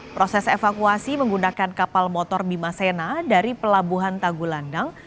proses evakuasi menggunakan kapal motor bimasena dari pelabuhan tagulandang